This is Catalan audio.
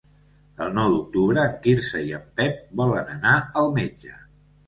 El nou d'octubre en Quirze i en Pep volen anar al metge.